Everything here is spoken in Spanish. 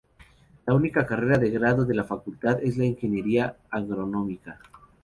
La única carrera de grado de la facultad es la Ingeniería Agronómica.